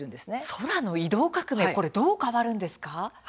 空の移動革命どう変わるんですか？